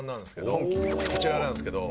こちらなんですけど。